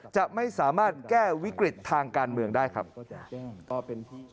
จะไม่สามารถแก้วิกฤตทางการเมืองได้ครับ